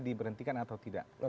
diberhentikan atau tidak